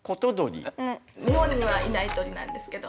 日本にはいない鳥なんですけど。